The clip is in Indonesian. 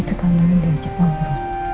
itu tamu om udah ajak om bro